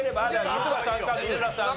優香さんか三村さんか。